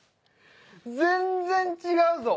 全然違うぞ！